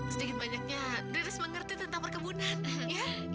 sedikit banyaknya riris mengerti tentang perkebunan